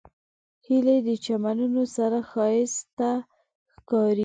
هیلۍ د چمنونو سره ښایسته ښکاري